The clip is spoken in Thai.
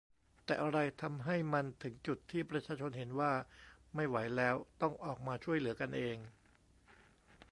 แต่อะไรทำให้มันถึงจุดที่ประชาชนเห็นว่าไม่ไหวแล้ว ต้องออกมาช่วยเหลือกันเอง ?